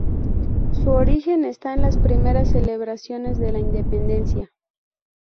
Su origen está en las primeras celebraciones de la Independencia.